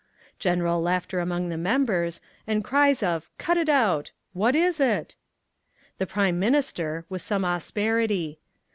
(General laughter among the members, and cries of "Cut it out!" "What is it?") The Prime Minister (with some asperity).